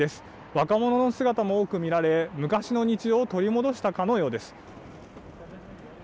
若者の姿も多く見られ昔の日常を取り戻したかのようです。